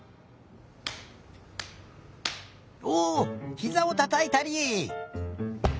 おおひざをたたいたり。